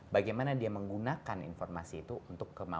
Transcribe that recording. bagaimana dia menggunakan informasi itu untuk kemana